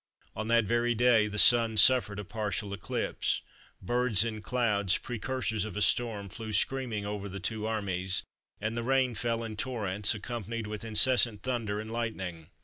On that very day the Sun suffered a partial eclipse: birds in clouds, precursors of a storm, flew screaming over the two armies; and the rain fell in torrents, accompanied with incessant thunder and lightning.